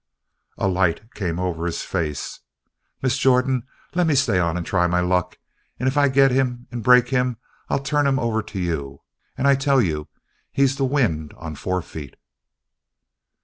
A light came over his face. "Miss Jordan, lemme stay on and try my luck and if I get him and break him, I'll turn him over to you. And I tell you: he's the wind on four feet."